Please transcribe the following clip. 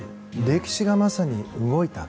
歴史がまさに動いた。